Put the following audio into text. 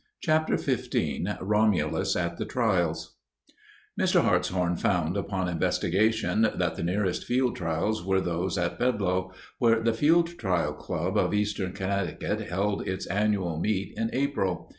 CHAPTER XV ROMULUS AT THE TRIALS Mr. Hartshorn found, upon investigation, that the nearest field trials were those at Bedlow, where the Field Trial Club of Eastern Connecticut held its annual meet in April.